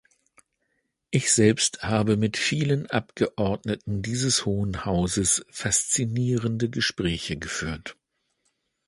Ich selbst habe mit vielen Abgeordneten dieses Hohen Hauses faszinierende Gespräche geführt.